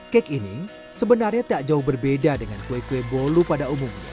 kek ini sebenarnya tak jauh berbeda dengan kue kue bolu pada umumnya